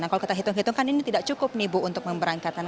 nah kalau kita hitung hitungkan ini tidak cukup nih bu untuk memberangkatkan